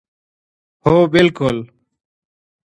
هو بلکل